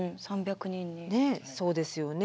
そうですよね。